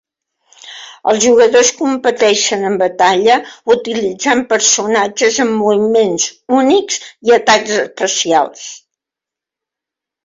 Els jugadors competeixen en batalla utilitzant personatges amb moviments únics i atacs especials.